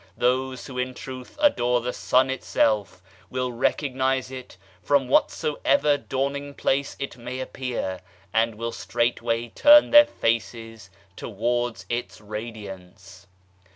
Those who in truth adore the Sun itself will recognize it from whatsoever dawning place it may appear, and will straightway turn their faces towards its radiance.